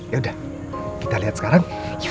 yaudah kita liat sekarang